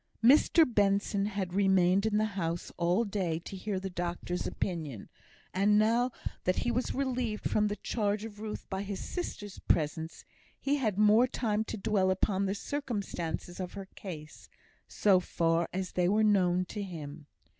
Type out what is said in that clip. Mr Benson had remained in the house all day to hear the doctor's opinion; and now that he was relieved from the charge of Ruth by his sister's presence, he had the more time to dwell upon the circumstances of her case so far as they were known to him.